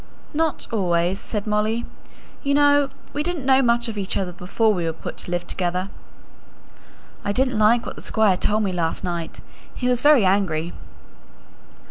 "Not always," said Molly. "You know we didn't know much of each other before we were put to live together." "I didn't like what the Squire told me last night. He was very angry."